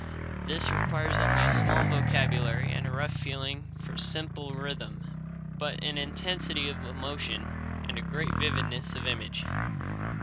This requires only a small vocabulary and a rough feeling for simple rhythm, but an intensity of emotion and a great vividness of image.